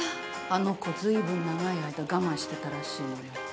あの子ずいぶん長い間我慢してたらしいのよ。